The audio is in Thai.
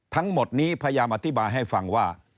ทั้งหมดนี้พยายามอธิบายให้ฟังว่า